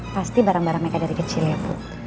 pasti barang barang mereka dari kecil ya bu